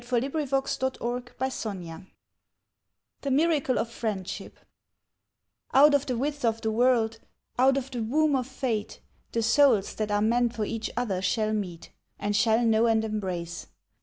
34 THE MIRACLE OF FRIENDSHIP THE MIRACLE OF FRIENDSHIP OUT of the width of the world, out of the womb of Fate, The souls that are meant for each other shall meet, and shall know and embrace.